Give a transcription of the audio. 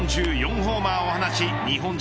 ホーマーを放ち日本人